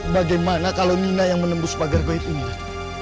bagaimana kalau nina yang menembus pagar goib ini datu